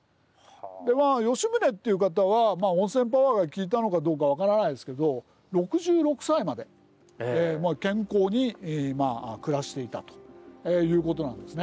吉宗という方はまあ温泉パワーが効いたのかどうか分からないですけど６６歳まで健康に暮らしていたということなんですね。